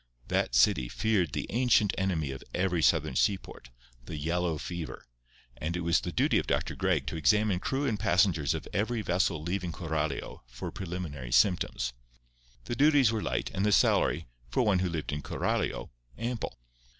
That city feared the ancient enemy of every Southern seaport—the yellow fever—and it was the duty of Dr. Gregg to examine crew and passengers of every vessel leaving Coralio for preliminary symptoms. The duties were light, and the salary, for one who lived in Coralio, ample.